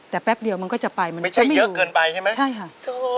แต่แป๊บเดียวมันก็จะไปมันจะไม่อยู่ใช่ไหมบางทีมันเยอะเกินไป